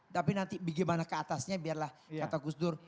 tapi nanti bagaimana keatasnya biarlah kata gus dur